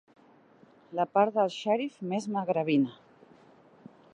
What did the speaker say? La part del xèrif més magrebina.